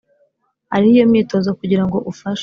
Ariho iyo myitozo kugira ngo ufashe